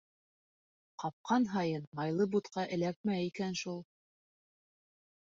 Ҡапҡан һайын майлы бутҡа эләкмәй икән шул.